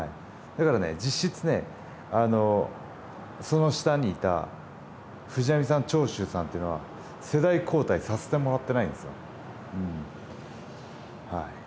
だからね実質ねあのその下にいた藤波さん長州さんというのは世代交代させてもらってないんですよ。はい。